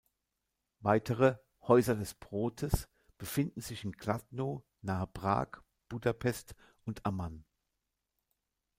Weitere "Häuser des Brotes" befinden sich in Kladno nahe Prag, Budapest und Amman.